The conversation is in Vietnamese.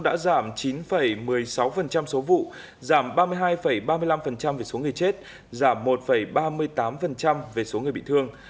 đã giảm chín một mươi sáu số vụ giảm ba mươi hai ba mươi năm về số người chết giảm một ba mươi tám về số người bị thương